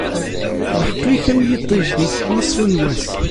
Lḥeqq-ik am yiṭij n ttnaṣfa n wass.